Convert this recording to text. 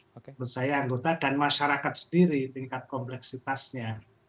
menurut saya anggota dan masyarakat sendiri tingkat kompleksitasnya